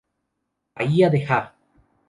Bahía del Ha!